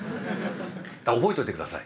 覚えといて下さい。